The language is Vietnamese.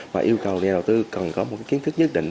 và yêu cầu nhà đầu tư cần có một kiến thức nhất định